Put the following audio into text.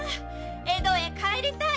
江戸へ帰りたい！